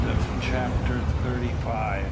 CHAPTER THIRTY SIX.